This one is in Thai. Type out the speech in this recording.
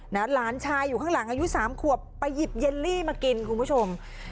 หลานชายอยู่ข้างหลังอายุสามขวบไปหยิบเยลลี่มากินคุณผู้ชม